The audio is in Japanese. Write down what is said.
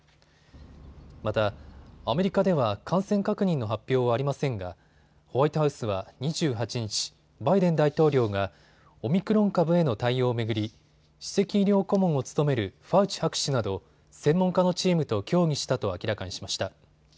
また、アメリカでは感染確認の発表はありませんがホワイトハウスは２８日、バイデン大統領がオミクロン株への対応を巡り首席医療顧問を務めるファウチ博士など専門家のチームと協議したと明らかにしました。